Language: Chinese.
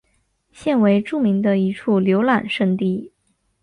现为著名的一处游览胜地。